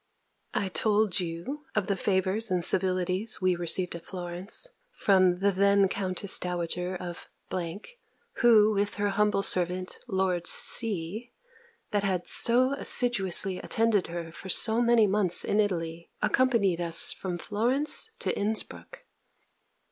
I told you of the favours and civilities we received at Florence, from the then Countess Dowager of , who, with her humble servant Lord C (that had so assiduously attended her for so many months in Italy), accompanied us from Florence to Inspruck.